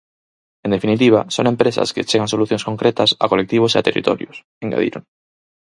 En definitiva, son empresas que achegan solucións concretas a colectivos e a territorios, engadiron.